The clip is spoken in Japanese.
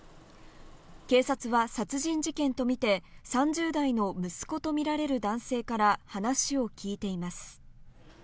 警察は殺人事件とみて３０代の息子とみられる男性から話を聞いています。